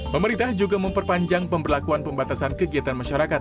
pemerintah juga memperpanjang pemberlakuan pembatasan kegiatan masyarakat